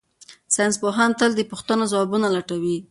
ساینس پوهان تل د پوښتنو ځوابونه لټوي.